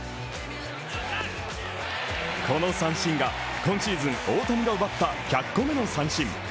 この三振が今シーズン大谷が奪った１００個目の三振。